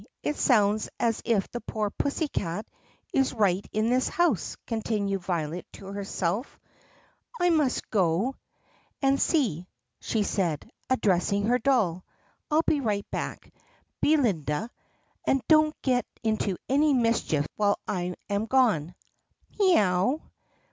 It sounds as if the poor pussycat is right in this house," continued Violet to herself. "I must go to THE PUSSYCAT PRINCESS 4 see," she said, addressing her doll. "I 'll be right back, Be linda; and don't get into any mischief while I am gone." "MEE OW!"